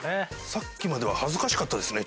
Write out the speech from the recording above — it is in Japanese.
さっきまでは恥ずかしかったですね